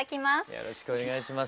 よろしくお願いします。